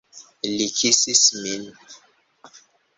Li kisis min.